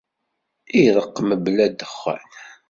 Ireqq mebla d dexxan.